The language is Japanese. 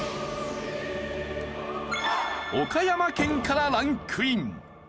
岡山県からランクイン。